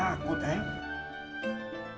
saya takut kalau nanti